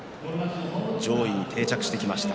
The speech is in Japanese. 上位に定着してきました。